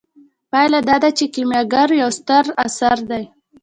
پایله دا چې کیمیاګر یو ستر اثر دی.